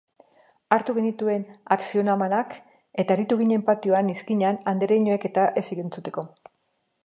Hartu genituen aksionmanak eta aritu ginen patioan, izkinan, andereñoek-eta ez entzuteko.